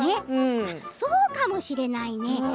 そうかもしれないね。